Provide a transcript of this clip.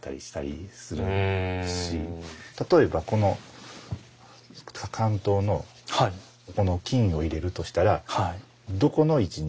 例えばこの間道の金を入れるとしたらどこの位置に入れるか。